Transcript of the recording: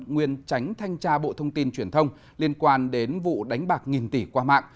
nguyên tránh thanh tra bộ thông tin truyền thông liên quan đến vụ đánh bạc nghìn tỷ qua mạng